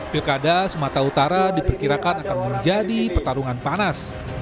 pilkada sumatera utara diperkirakan akan menjadi pertarungan panas